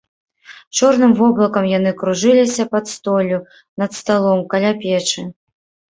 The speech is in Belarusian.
Чорным воблакам яны кружыліся пад столлю, над сталом, каля печы.